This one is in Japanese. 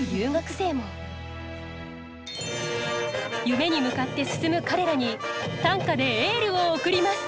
夢に向かって進む彼らに短歌でエールを送ります。